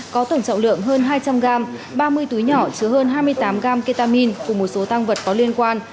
có tổng trọng lượng hơn hai trăm linh gram ba mươi túi nhỏ chứa hơn hai mươi tám gram ketamine cùng một số tăng vật có liên quan